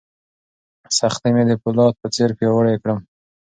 سختۍ مې د فولاد په څېر پیاوړی کړم.